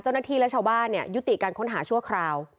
เจ้าหน้าที่และชาวบ้านยุติการค้นหาชั่วคราว